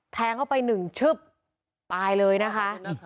แทงเข้าไปหนึ่งชึบตายเลยนะคะ